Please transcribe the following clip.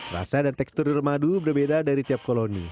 rasa dan tekstur di rumah adu berbeda dari tiap koloni